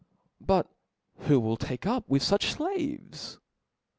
But who will take up with fuch flaves